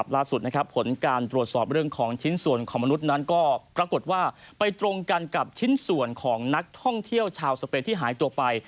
ล่าสุดผลการตรวจสอบเรื่องของชิ้นส่วนของมนุษย์นั้นก็ปรากฏว่าไปตรงกันกับชิ้นส่วนของนักท่องเที่ยวชาวสเปนที่หายตัวไป